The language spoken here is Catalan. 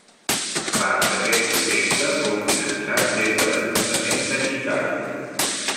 Part d'aquest projecte fou finançat des de l'ajuntament de Chicago.